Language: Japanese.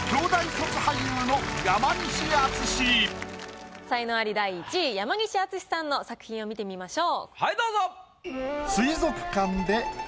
このあと才能アリ第１位山西惇さんの作品を見てみましょう。